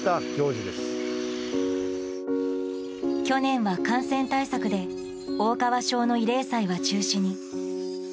去年は感染対策で大川小の慰霊祭は中止に。